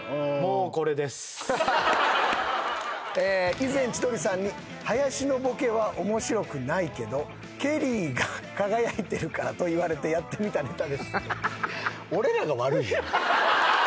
以前千鳥さんに林のボケは面白くないけどケリーが輝いてるからと言われてやってみたネタです。